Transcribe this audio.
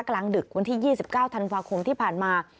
กลางดึกวันที่๒๙ธันวาคมที่ผ่านมา